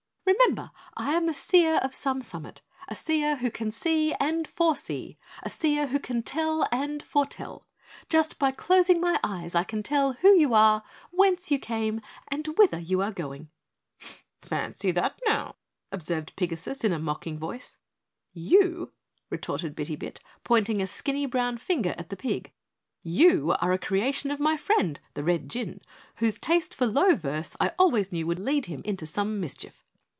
"Remember, I am the Seer of Some Summit, a seer who can see and foresee; a seer who can tell and foretell. Just by closing my eyes I can tell who you are, whence you came, and whither you are going." "Fancy that, now," observed Pigasus in a mocking voice. "You," retorted Bitty Bit, pointing a skinny brown finger at the pig, "you are a creation of my friend, the Red Jinn, whose taste for low verse I always knew would lead him into some mischief."